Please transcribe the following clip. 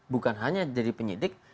bukan hanya jadi penyidik